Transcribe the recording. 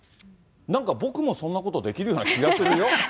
なんか僕もそんなことできるような気がするよ。